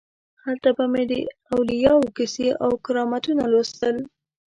هلته به مې د اولیاو کیسې او کرامتونه لوستل.